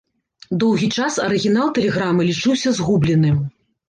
Доўгі час арыгінал тэлеграмы лічыўся згубленым.